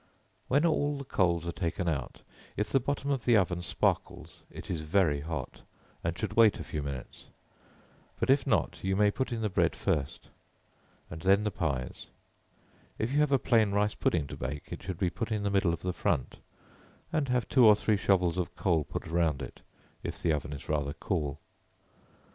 When all the coals are taken out, if the bottom of the oven sparkles, it is very hot, and should wait a few minutes; but if not, you may put in the bread first, and then the pies; if you have a plain rice pudding to bake, it should be put in the middle of the front, and have two or three shovels of coals put round it, if the oven is rather cool.